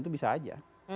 itu bisa aja